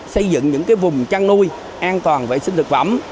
xây dựng những vùng chăn nuôi an toàn vệ sinh thực phẩm